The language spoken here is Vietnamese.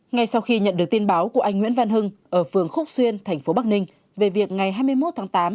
ngay sau khi nhận được tin báo của anh nguyễn văn hưng ở phường khúc xuyên thành phố bắc ninh về việc ngày hai mươi một tháng tám